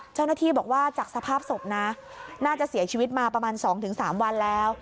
เจ้าหน้าที่บอกว่าจากสภาพศพนะน่าจะเสียชีวิตมาประมาณ๒๓วันแล้ว